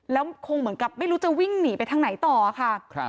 แล้วคงเหมือนกับไม่รู้จะวิ่งหนีไปทางไหนต่อค่ะ